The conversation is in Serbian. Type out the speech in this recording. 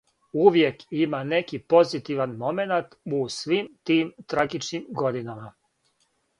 Увијек има неки позитиван моменат у свим тим трагичним годинама.